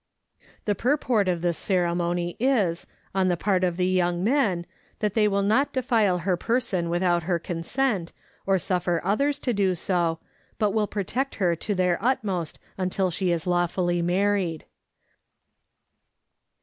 The purport of this ceremony is, on the part of the young men, that they will not defile her person without her consent, or suffer others to do so, but will protect her to their utmost till she is law fully married.